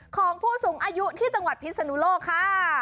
ของผู้สูงอายุที่จังหวัดพิศนุโลกค่ะ